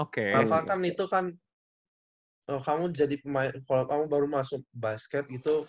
karena kan itu kan kalau kamu baru masuk basket gitu